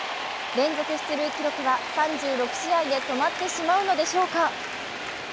連続出塁記録は３６試合で止まってしまうのでしょうか？